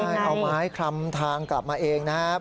ใช่เอาไม้คลำทางกลับมาเองนะครับ